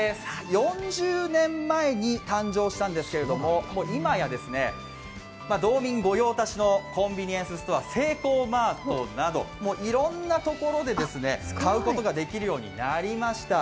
４０年前に誕生したんですけど今や、道民御用達のコンビニエンスストア、セイコーマートなどいろんなところで買うことができるようになりました。